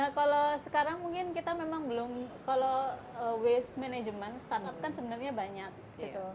kalau sekarang mungkin kita memang belum kalau waste management startup kan sebenarnya banyak gitu